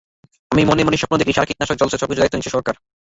আমি মনে মনে স্বপ্ন দেখি, সার, কীটনাশক, জলসেচ সবকিছুর দায়িত্ব নিচ্ছে সরকার।